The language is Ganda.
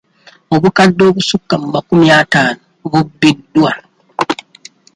Obukadde obusukka mu makumi ataano bubbiddwa.